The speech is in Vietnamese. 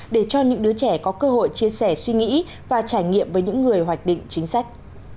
để cho những đứa trẻ có cơ hội chia sẻ suy nghĩ và trải nghiệm với những người hoạch định chính sách